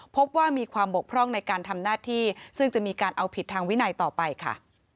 พบว่ามีความบกพร่องในการทำหน้าที่ซึ่งจะมีการเอาผิดทางวินัยต่อไปค่ะ